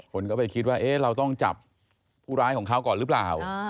คนก็ไปคิดว่าเราต้องจับผู้ร้ายของเขาก่อนหรือเปล่า